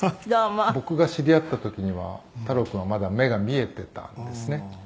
「僕が知り合った時には太郎君はまだ目が見えてたんですね」